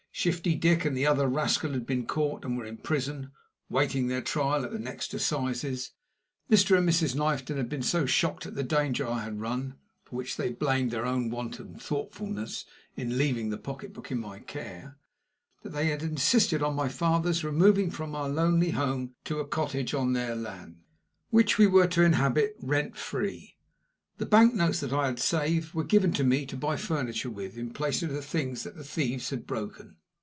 Shifty Dick and the other rascal had been caught, and were in prison, waiting their trial at the next assizes. Mr. and Mrs. Knifton had been so shocked at the danger I had run for which they blamed their own want of thoughtfulness in leaving the pocketbook in my care that they had insisted on my father's removing from our lonely home to a cottage on their land, which we were to inhabit rent free. The bank notes that I had saved were given to me to buy furniture with, in place of the things that the thieves had broken.